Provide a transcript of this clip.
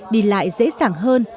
đi lại dễ dàng hơn